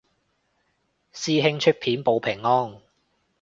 師兄出片報平安